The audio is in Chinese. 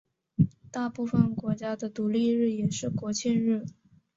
大部分国家的独立日也是国庆日。